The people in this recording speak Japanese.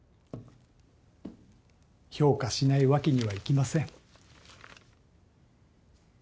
評価しないわけにはいきません。